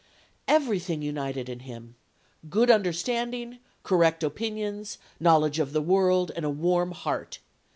"Everything united in him; good understanding, correct opinions, knowledge of the world, and a warm heart.